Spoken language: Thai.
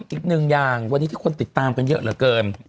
อีกหนึ่งอย่างวันนี้ที่คนติดตามกันเยอะเหลือเกิน